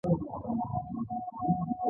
دا د مسؤلیتونو حدود هم تعین او تثبیتوي.